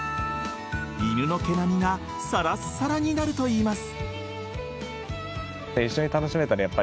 犬の毛並みがサラサラになるといいます。